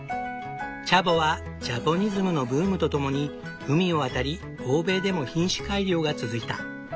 チャボはジャポニズムのブームとともに海を渡り欧米でも品種改良が続いた。